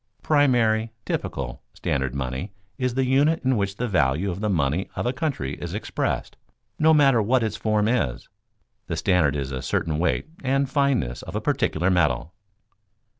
_ Primary, typical, standard money is the unit in which the value of the money of a country is expressed, no matter what its form is; the standard is a certain weight and fineness of a particular metal.